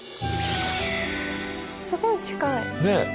すごい近い。ね。